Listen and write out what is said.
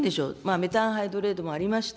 メタンハイドレートもありました。